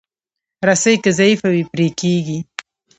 رسۍ که ضعیفه وي، پرې کېږي.